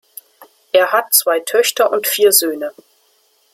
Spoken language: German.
Er hat zwei Töchter und vier Söhne.